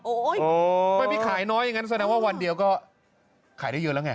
ไม่ไปขายน้อยอย่างนั้นแสดงว่าวันเดียวก็ขายได้เยอะแล้วไง